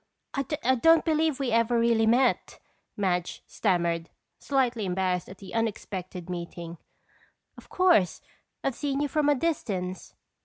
"I don't believe we ever really met," Madge stammered, slightly embarrassed at the unexpected meeting. "Of course, I've seen you from a distance."